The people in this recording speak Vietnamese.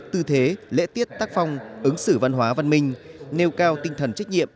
tư thế lễ tiết tác phong ứng xử văn hóa văn minh nêu cao tinh thần trách nhiệm